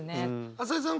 朝井さん